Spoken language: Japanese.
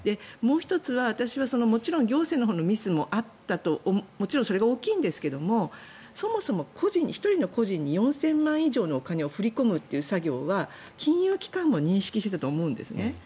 もう１つは私は行政のほうのミスそれも大きいんですがそもそも１人の個人に４０００万円以上のお金を振り込むという作業は金融機関も認識していたと思うんですね。